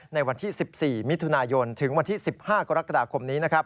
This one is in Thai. ในวันที่๑๔มิถุนายนถึงวันที่๑๕กรกฎาคมนี้